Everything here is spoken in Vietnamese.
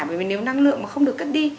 bởi vì nếu năng lượng mà không được cất đi